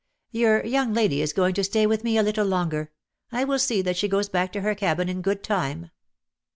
"Your young lady is going to stay with me a little longer. I will see that she goes back to her cabin in good time."